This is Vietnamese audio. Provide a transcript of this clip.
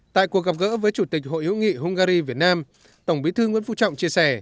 tại cuộc gặp gỡ với chủ tịch hội hiếu nghị hungary việt nam tổng bí thư nguyễn phú trọng chia sẻ